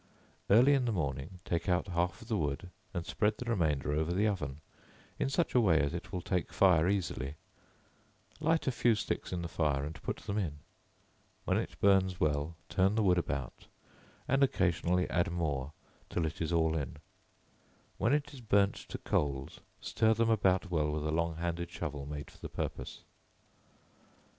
Early in the morning, take out half of the wood, and spread the remainder over the oven, in such a way as it will take fire easily; light a few sticks in the fire, and put them in; when it burns well, turn the wood about, and occasionally add more till it is all in; when it is burnt to coals, stir them about well with a long handled shovel made for the purpose.